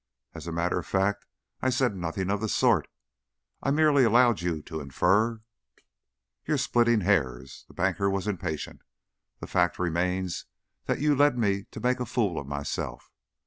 As a matter of fact, I said nothing of the sort; I merely allowed you to infer " "You're splitting hairs." The banker was impatient. "The fact remains that you led me to make a fool of myself.